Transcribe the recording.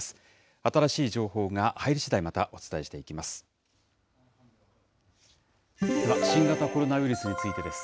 新しい情報が入りしだい、またお伝えしていきます。